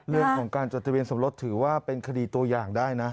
เรื่องของการจดทะเบียนสมรสถือว่าเป็นคดีตัวอย่างได้นะ